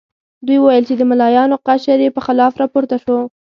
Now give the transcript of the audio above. دوی وویل چې د ملایانو قشر یې په خلاف راپورته شو.